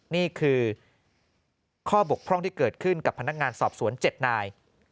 นี่คือข้อบกพร่องที่เกิดขึ้นกับพนักงานสอบสวน๗นาย